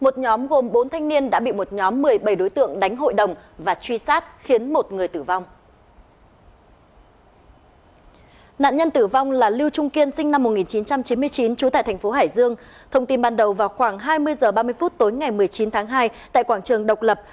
thông tin ban đầu vào khoảng hai mươi h ba mươi phút tối ngày một mươi chín tháng hai tại quảng trường độc lập